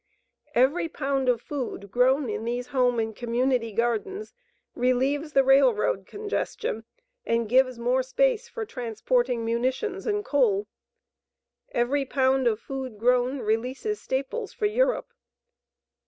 EVERY POUND OF FOOD GROWN IN THESE HOME AND COMMUNITY GARDENS RELIEVES THE RAILROAD CONGESTION AND GIVES MORE SPACE FOR TRANSPORTING MUNITIONS AND COAL. EVERY POUND OF FOOD GROWN RELEASES STAPLES FOR EUROPE.